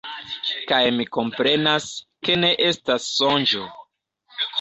Kaj mi komprenas, ke ne estas sonĝo.